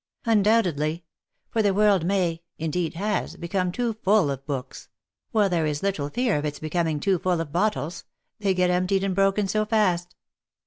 " Undoubtedly. For the world may indeed, has become too full of books ; while there is little fear of its becoming too full of bottles ; they get emptied and broken so fast."